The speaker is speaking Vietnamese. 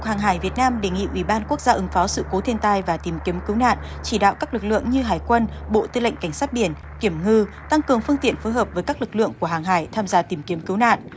hàng hải việt nam đề nghị ủy ban quốc gia ứng phó sự cố thiên tai và tìm kiếm cứu nạn chỉ đạo các lực lượng như hải quân bộ tư lệnh cảnh sát biển kiểm ngư tăng cường phương tiện phối hợp với các lực lượng của hàng hải tham gia tìm kiếm cứu nạn